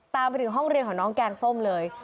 ตามไปถึงห้องเรียนของน้องแกงส้มเลย